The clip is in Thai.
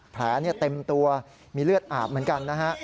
แผลเต็มตัวมีเลือดอาบเหมือนกันนะฮะ